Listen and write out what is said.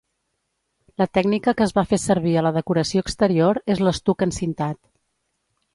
La tècnica que es va fer servir a la decoració exterior és l'estuc encintat.